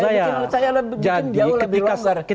saya bikin jauh lebih longgar